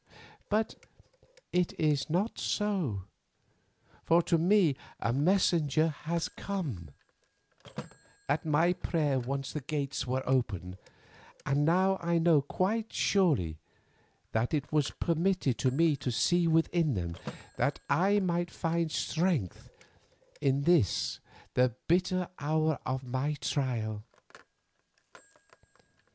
But it is not so, for to me a messenger has come; at my prayer once the Gates were opened, and now I know quite surely that it was permitted to me to see within them that I might find strength in this the bitter hour of my trial.